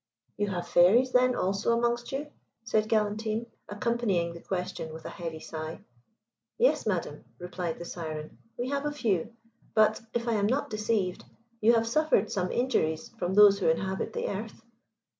"You have fairies, then, also amongst you?" said Galantine, accompanying the question with a heavy sigh. "Yes, madam," replied the Syren, "we have a few; but, if I am not deceived, you have suffered some injuries from those who inhabit the earth?